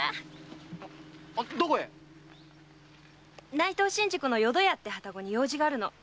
内藤新宿の“淀屋”って旅籠に用事があるの。